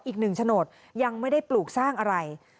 อีกหนึ่งโฉนดยังไม่ได้ปลูกสร้างอะไร